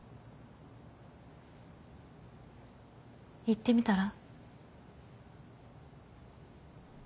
言ってみたら？